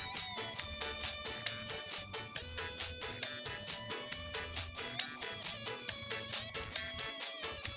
kamu kasih kabar enak sama namanya sekalian enggak tahu gue di sini